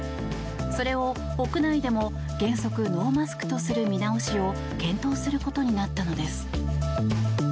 それを屋内でも原則ノーマスクとする見直しを検討することになったのです。